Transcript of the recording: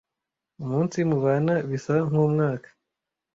Umunsi mubana bisa nkumwaka,